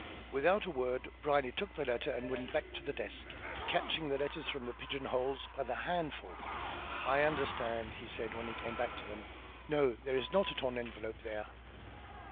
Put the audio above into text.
Without a word Brierly took the letter and went back to the desk, catching the letters from their pigeon holes by the handful. "I understand," he said, when he came back to them. "No, there is not a torn envelope there."